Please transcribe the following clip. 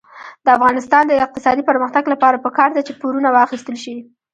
د افغانستان د اقتصادي پرمختګ لپاره پکار ده چې پورونه واخیستل شي.